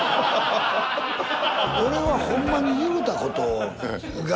俺はホンマに言うたことが。